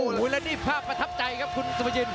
โอ้โหแล้วนี่ภาพประทับใจครับคุณสุภายิน